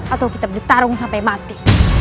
atau kita bertarung sampai mati